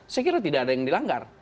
saya kira tidak ada yang dilanggar